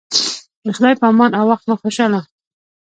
د خدای په امان او وخت مو خوشحاله